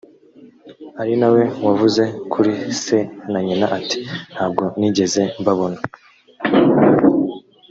ari na we wavuze kuri se na nyina ati’nta bwo nigeze mbabona!’